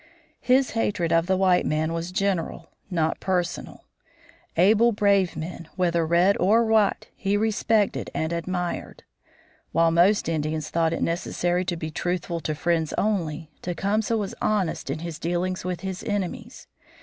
His hatred of the white man was general, not personal. Able, brave men, whether red or white, he respected and admired. While most Indians thought it necessary to be truthful to friends only, Tecumseh was honest in his dealings with his enemies.